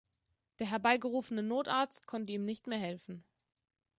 Der herbeigerufene Notarzt konnte ihm nicht mehr helfen.